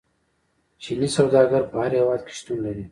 چیني سوداګر په هر هیواد کې شتون لري.